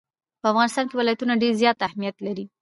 په افغانستان کې ولایتونه ډېر زیات اهمیت لري.